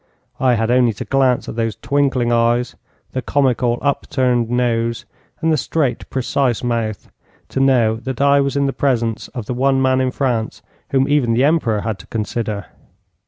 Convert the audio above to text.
I had only to glance at those twinkling eyes, the comical, upturned nose, and the straight, precise mouth, to know that I was in the presence of the one man in France whom even the Emperor had to consider.